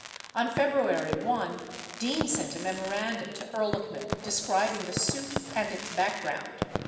On February 1, Dean sent a memorandum to Ehrlichman describing the suit and its background.